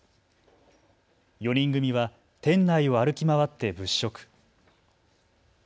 ４人組は店内を歩き回って物色。